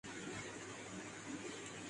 ایسے لوگوں کو راہ کون دکھائے گا؟